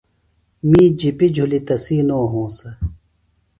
می جِپی جُھلیۡ تسی نو ہونسہ۔